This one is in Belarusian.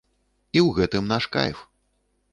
І ў гэтым наш кайф.